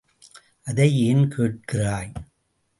அதை ஏன் கேட்கிறாய்?